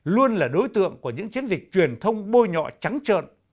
luôn là đối tượng của những chiến dịch truyền thông bôi nhọ trắng trợn